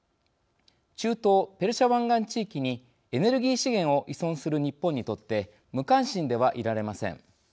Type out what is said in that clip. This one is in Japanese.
中東・ペルシャ湾岸地域にエネルギー資源を依存する日本にとって無関心ではいられません。